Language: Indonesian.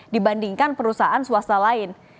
dibandingkan perusahaan swasta lain